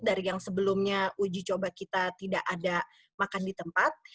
dari yang sebelumnya uji coba kita tidak ada makan di tempat